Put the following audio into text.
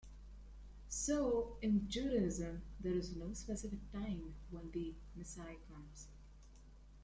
So in Judaism, there is no specific time when the messiah comes.